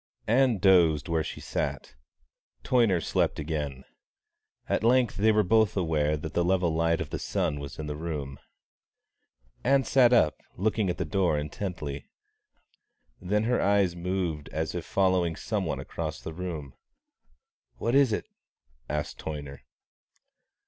Ann dosed where she sat. Toyner slept again. At length they were both aware that the level light of the sun was in the room. Ann sat up, looking at the door intently. Then her eyes moved as if following some one across the room. "What is it?" asked Toyner.